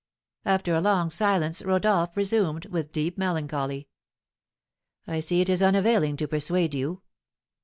After a long silence Rodolph resumed, with deep melancholy: "I see it is unavailing to persuade you!